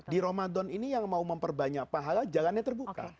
di ramadan ini yang mau memperbanyak pahala jalannya terbuka